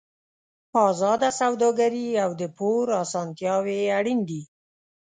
ازاده سوداګري او د پور اسانتیاوې اړین دي.